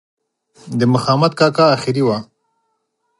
د مخامد کاکا آخري وه.